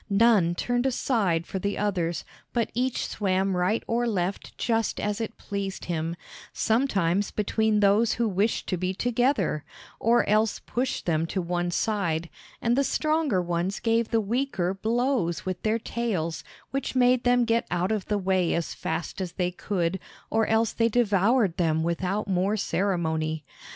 None turned aside for the others, but each swam right or left just as it pleased him, sometimes between those who wished to be together, or else pushed them to one side, and the stronger ones gave the weaker blows with their tails, which made them get out of the way as fast as they could, or else they devoured them without more ceremony.